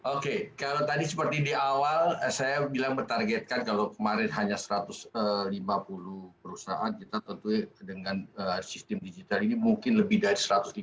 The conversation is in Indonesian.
oke kalau tadi seperti di awal saya bilang bertargetkan kalau kemarin hanya satu ratus lima puluh perusahaan kita tentunya dengan sistem digital ini mungkin lebih dari satu ratus lima puluh